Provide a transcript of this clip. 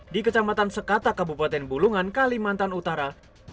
di kecamatan sekata kabupaten bulungan kalimantan utara